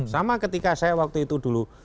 sama ketika saya waktu itu dulu